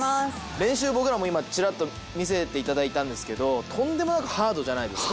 練習僕らも今ちらっと見せていただいたんですけどとんでもなくハードじゃないですか。